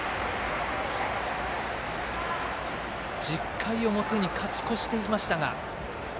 １０回表に勝ち越していましたが。